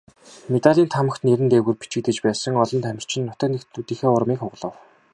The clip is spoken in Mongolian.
Медалийн таамагт нэр нь дээгүүр бичигдэж байсан олон тамирчин нутаг нэгтнүүдийнхээ урмыг хугалав.